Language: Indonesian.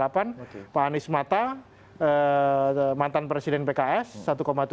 pak anies mata mantan presiden pks satu tujuh